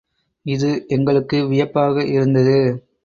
இது எங்களுக்கு வியப்பாக இருந்தது.